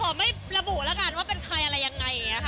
เราขอเลยไม่ระบุแล้วกันว่าเป็นใครอะไรอย่างใง